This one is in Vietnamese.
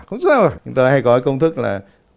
không sao cả chúng tôi hay có cái công thức là